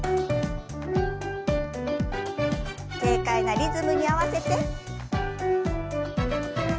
軽快なリズムに合わせて。